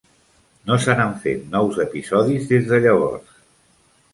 No se n'han fet nous episodis des de llavors.